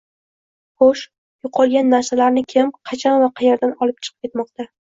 Xo`sh, yo`qolgan narsalarni kim, qachon va qaerdan olib chiqib ketmoqda